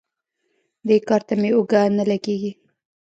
دې کار ته مې اوږه نه لګېږي.